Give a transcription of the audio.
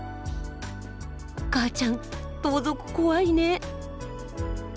母ちゃん盗賊怖いね。